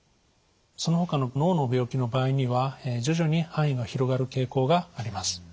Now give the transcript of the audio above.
そのほかの脳の病気の場合には徐々に範囲が広がる傾向があります。